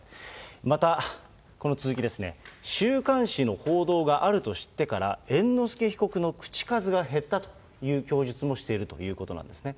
また、この続きですね、週刊誌の報道があると知ってから、猿之助被告の口数が減ったという供述もしているということなんですね。